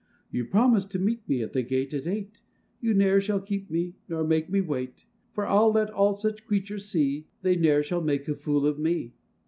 You promised to meet at the gate at eight, You ne'er shall keep me, nor make me wait, For I'll let all such creatures see, They ne'er shall make a fool of me!